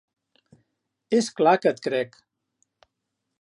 És clar que et crec.